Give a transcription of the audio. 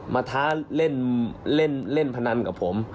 มาท้าเล่นพนันกับผม